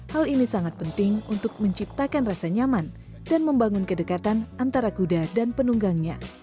hal ini sangat penting untuk menciptakan rasa nyaman dan membangun kedekatan antara kuda dan penunggangnya